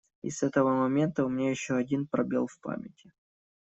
И с этого момента у меня еще один пробел в памяти.